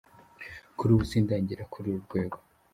"Kuri ubu sindagera kuri uru rwego.